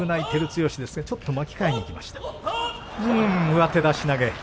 上手出し投げ。